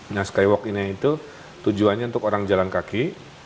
nah skywalk ini itu tujuannya untuk orang jalan kaki